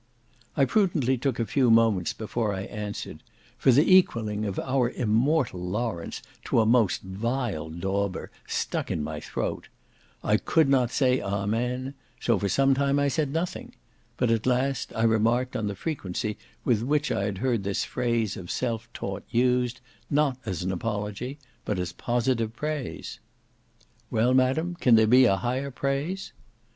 I prudently took a few moments before I answered; for the equalling our immortal Lawrence to a most vile dauber stuck in my throat; I could not say Amen; so for some time I said nothing; but, at last, I remarked on the frequency with which I had heard this phrase of self taught used, not as an apology, but as positive praise. "Well, madam, can there be a higher praise?"